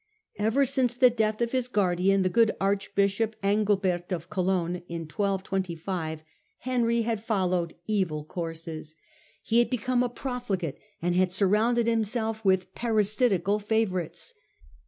Ever since the death of his guardian, the good Archbishop Engelbert of Cologne, in 1225, Henry had followed evil courses. He had become a profligate and had surrounded himself with parasitical favourites.